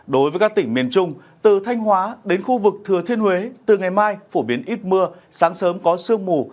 đối với các tỉnh miền trung từ thanh hóa đến khu vực thừa thiên huế từ ngày mai phổ biến ít mưa sáng sớm có sương mù